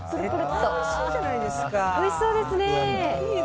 おいしそうですね。